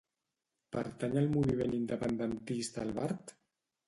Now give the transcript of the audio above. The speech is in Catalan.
Pertany al moviment independentista el Bart?